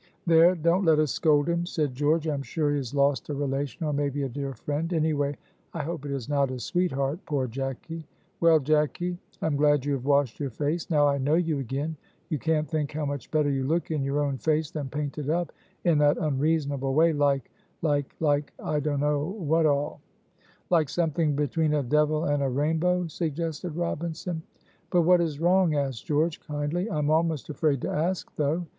"There! don't let us scold him," said George, "I am sure he has lost a relation, or maybe a dear friend; anyway I hope it is not his sweetheart poor Jacky. Well, Jacky! I am glad you have washed your face, now I know you again. You can't think how much better you look in your own face than painted up in that unreasonable way, like like like I dono what all." "Like something between a devil and a rainbow," suggested Robinson. "But what is wrong?" asked George, kindly. "I am almost afraid to ask, though!"